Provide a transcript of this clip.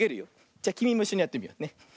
じゃきみもいっしょにやってみようね。